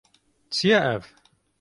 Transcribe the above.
Çi ye ev?